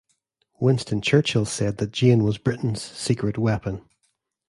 Winston Churchill said that Jane was Britain's "secret weapon".